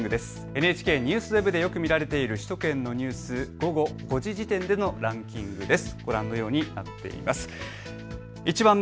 ＮＨＫＮＥＷＳＷＥＢでよく見られている首都圏のニュース午後５時時点でのランキングです。